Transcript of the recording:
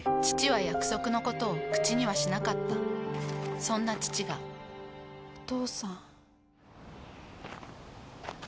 父は約束のことを口にはしなかったそんな父がお父さん。